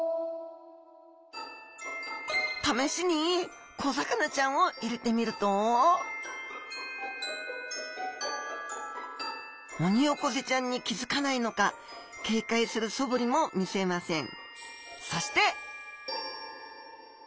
試しに小魚ちゃんを入れてみるとオニオコゼちゃんに気付かないのか警戒するそぶりも見せません